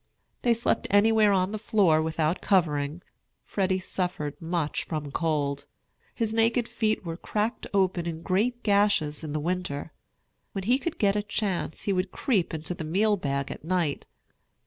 They slept anywhere on the floor without covering. Freddy suffered much from cold. His naked feet were cracked open in great gashes in the winter. When he could get a chance, he would creep into the meal bag at night.